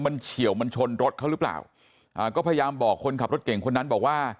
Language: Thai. มันเฉียวมันชนรถเขาหรือเปล่าอ่าก็พยายามบอกคนขับรถเก่งคนนั้นบอกว่า